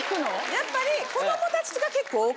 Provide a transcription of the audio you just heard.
やっぱり。